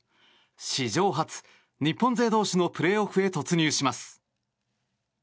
史上初、日本勢同士のプレーオフへ突入します。